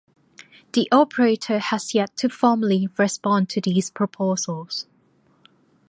The operator has yet to formally respond to these proposals.